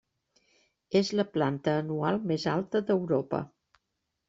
És la planta anual més alta d'Europa.